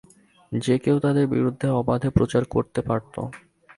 যে-কেউ তাঁদের বিরুদ্ধে অবাধে প্রচার করতে পারত।